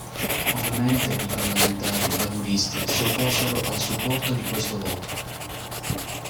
Ovviamente, i parlamentari laburisti si opposero al supporto di questo voto.